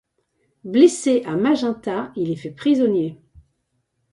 Blessé à Magenta, il est fait prisonnier.